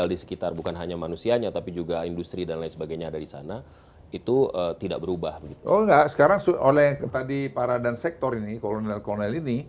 mereka berpengalaman dengan kondisi dan perlaku orang yang tinggal di sekitar